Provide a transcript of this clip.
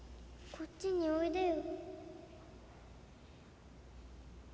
こっちにおいでよ。